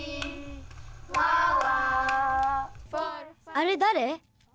あれだれ？